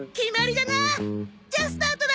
じゃあスタートだ！